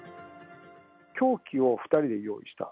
凶器を２人で用意した。